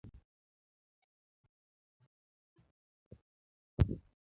Inyalo ti kodgi bende kaka oboke mag chik.